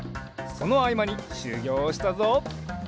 そのあいまにしゅぎょうをしたぞ。